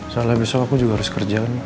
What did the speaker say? soalnya besok aku juga harus kerja